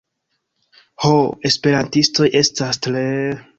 ho, esperantistoj estas tre...